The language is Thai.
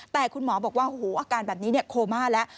แต่คุณหมอบอกว่าโอ้โหอาการแบบนี้โคม่าแล้ว